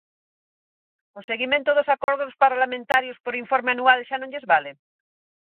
¿O seguimento dos acordos parlamentarios por informe anual xa non lles vale?